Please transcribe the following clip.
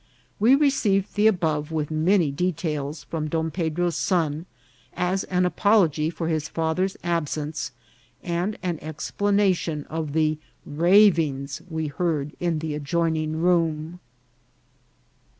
We received the above, with many details, from Don Pedro's son, as an apolo gy for his father's absence, and an explanation of the ravings we heard in the adjoining room.